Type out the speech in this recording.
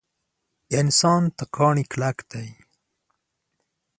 انسان تر کاڼي کلک دی.